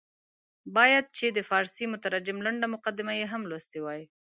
باید چې د فارسي مترجم لنډه مقدمه یې هم لوستې وای.